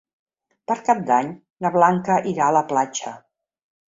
Per Cap d'Any na Blanca irà a la platja.